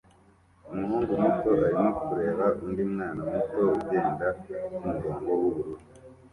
Umuhungu muto arimo kureba undi mwana muto ugenda kumurongo wubururu